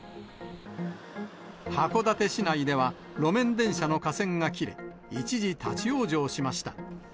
函館市内では路面電車の架線が切れ、一時立往生しました。